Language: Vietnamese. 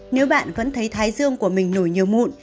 nếu bạn vẫn thấy thái dương của mình nổi nhiều mụn